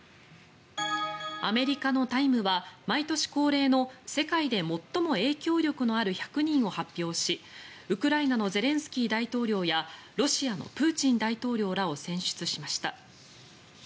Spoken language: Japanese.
アメリカの「タイム」は毎年恒例の世界で最も影響力のある１００人を発表しウクライナのゼレンスキー大統領やロシアのプーチン大統領らを選出しました。